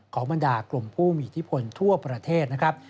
บรรดากลุ่มผู้มีอิทธิพลทั่วประเทศนะครับ